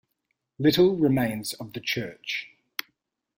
Little remains of the church.